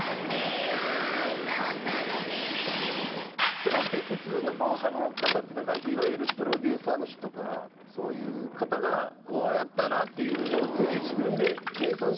それって普通のボーカルの方ってなんかいわゆるプロデューサーの人とかそういう方が「こうやったら？」っていうのを全部自分で計算してやられるんですか？